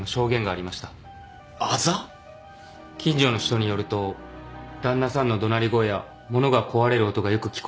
近所の人によると旦那さんの怒鳴り声や物が壊れる音がよく聞こえてきたと。